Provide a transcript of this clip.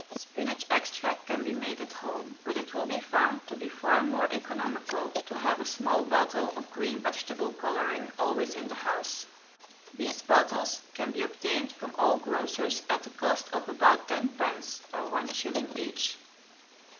Spinach extract can be made at home, but it will be found to be far more economical to have a small bottle of green vegetable colouring always in the house. These bottles can be obtained from all grocers at the cost of about tenpence or one shilling each.